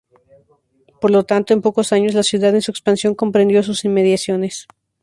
Por lo tanto, en pocos años la ciudad en su expansión comprendió sus inmediaciones.